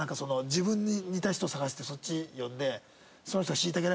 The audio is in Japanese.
自分に似た人を探してそっち読んで。